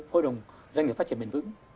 hội đồng doanh nghiệp phát triển bền vững